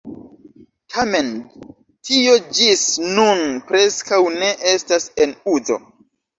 Tamen tio ĝis nun preskaŭ ne estas en uzo.